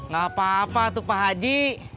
gak apa apa tuh pak aji